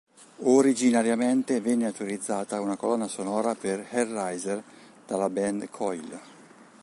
Originariamente venne autorizzata una colonna sonora per "Hellraiser" dalla band Coil.